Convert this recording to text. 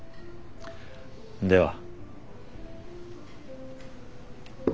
では。